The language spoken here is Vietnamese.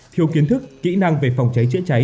thiếu kiến thức kỹ năng về phòng cháy chữa cháy